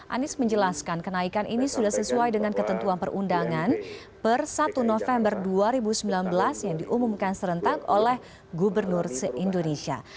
anies menjelaskan kenaikan ini sudah sesuai dengan ketentuan perundangan per satu november dua ribu sembilan belas yang diumumkan serentak oleh gubernur se indonesia